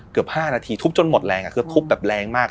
เกือบ๕นาทีทุบจนหมดแรงคือทุบแบบแรงมาก